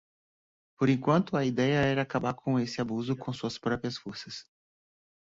Por enquanto, a ideia era acabar com esse abuso com suas próprias forças.